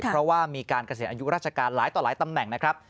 เพราะว่ามีการเกษียณอายุราชการหลายต่อหลายตำแหน่งนะครับ